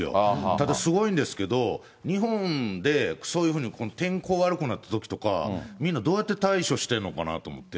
ただ、すごいんですけど、日本でそういうふうに天候悪くなったときとか、みんなどうやって対処してるのかなと思って。